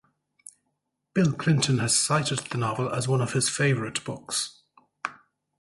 Bill Clinton has cited the novel as one of his favorite books.